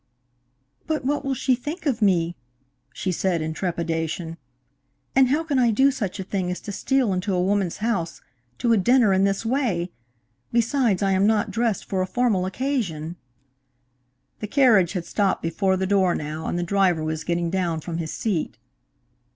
"But what will she think of me," she said in trepidation, "and how can I do such a thing as to steal into a woman's house to a dinner in this way! Besides, I am not dressed for a formal occasion." The carriage had stopped before the door now, and the driver was getting down from his seat.